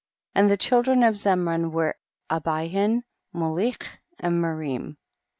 n And the children of Zemran were Abihen, Molich and Marim. 3.